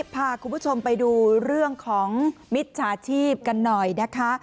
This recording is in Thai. พาคุณผู้ชมไปดูเรื่องของมิจฉาชีพกันหน่อยนะคะ